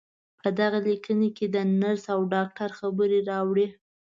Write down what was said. په دغې ليکنې کې د نرس او ډاکټر خبرې راوړې.